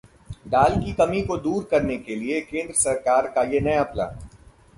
दाल की कमी को दूर करने के लिए केंद्र सरकार का ये नया प्लान